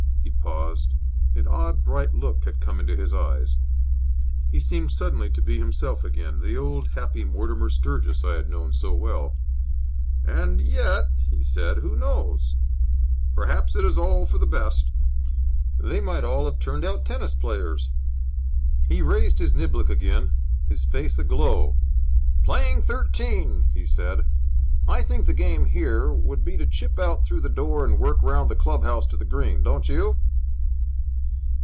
He paused. An odd, bright look had come into his eyes. He seemed suddenly to be himself again, the old, happy Mortimer Sturgis I had known so well. "And yet," he said, "who knows? Perhaps it is all for the best. They might all have turned out tennis players!" He raised his niblick again, his face aglow. "Playing thirteen!" he said. "I think the game here would be to chip out through the door and work round the club house to the green, don't you?"